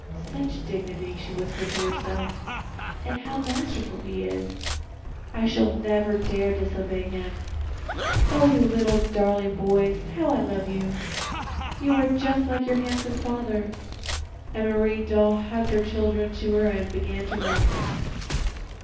"Such dignity," she whispered to herself, "and how masterful he is. I shall never dare disobey him. "Oh, you little darling boys! How I love you! You are just like your handsome father." And Marie Doll hugged her children to her and began to rock them.